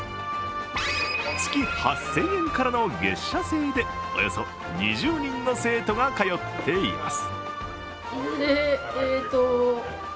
月８０００円からの月謝制でおよそ２０人の生徒が通っています。